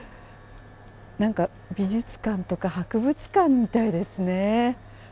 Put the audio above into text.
何か美術館とか博物館みたいですね。